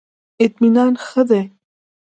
اطمینان ښه دی.